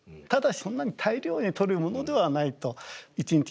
ただしそんなに大量にとるものではないと。